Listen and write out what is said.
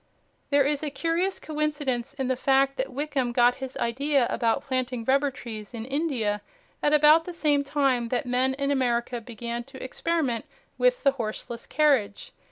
There is a curious coincidence in the fact that Wickham got his idea about planting rubber trees in India at about the same time that men in America began to experiment with the horseless carriage.